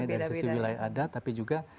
dari sisi wilayah ada tapi juga